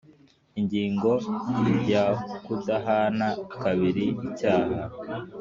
Ingingo ya kudahana kabiri icyaha